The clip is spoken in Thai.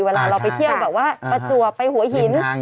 เวลาเราไปเที่ยวแบบว่าประจวบไปหัวหิน